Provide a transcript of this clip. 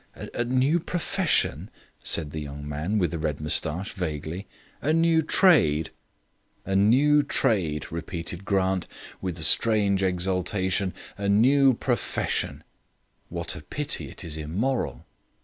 "A new profession!" said the young man with the red moustache vaguely; "a new trade!" "A new trade," repeated Grant, with a strange exultation, "a new profession! What a pity it is immoral."